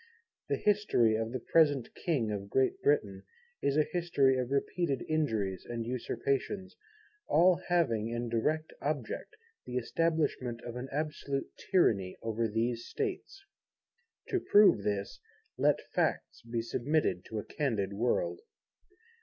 The history of the present King of Great Britain is a history of repeated injuries and usurpations, all having in direct object the establishment of an absolute Tyranny over these States. To prove this, let Facts be submitted to a candid world.